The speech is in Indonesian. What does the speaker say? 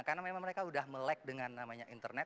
karena memang mereka udah melek dengan namanya internet